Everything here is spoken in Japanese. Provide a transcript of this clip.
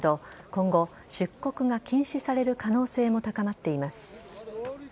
今後、出国が禁止される可能性も高まっています。